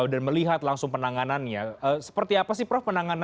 dan melihat langsung penanganannya seperti apa sih prof penanganannya